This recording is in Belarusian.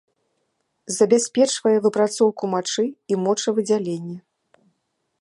Забяспечвае выпрацоўку мачы і мочавыдзяленне.